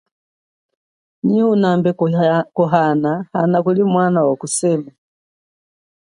Nyi unambe kuhana hana kulimwana wakusema.